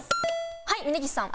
はい峯岸さん。